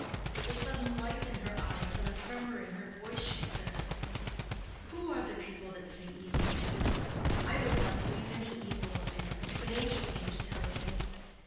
With a sudden light in her eyes and a tremor in her voice, she said, "Who are the people that say evil of him? I would not believe any evil of him, if an angel came to tell it me.